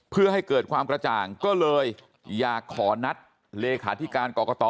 เพื่อให้เกิดความกระจ่างก็เลยอยากขอนัดเลขาธิการกรกต